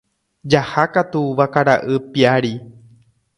Jahákatu vakara'y piári.